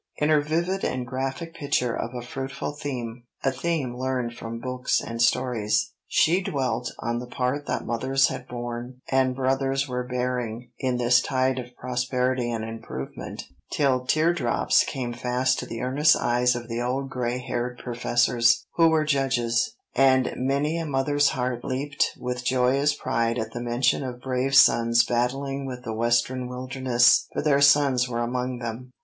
In her vivid and graphic picture of a fruitful theme (a theme learned from books and stories), she dwelt on the part that mothers had borne, and brothers were bearing, in this tide of prosperity and improvement, till tear drops came fast to the earnest eyes of the old gray haired professors, who were judges, and many a mother's heart leaped with joyous pride at the mention of brave sons battling with the Western wilderness, for their sons were among them.